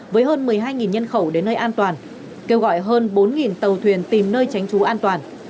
với hơn một mươi hai nhân khẩu đến nơi an toàn kêu gọi hơn bốn tàu thuyền tìm nơi tránh trú an toàn